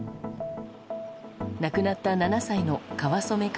亡くなった７歳の川染凱